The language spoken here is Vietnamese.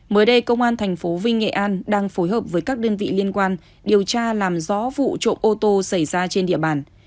mới đây công an tp vinh nghệ an đang phối hợp với các đơn vị liên quan điều tra làm rõ vụ trộm ô tô xảy ra trên địa bàn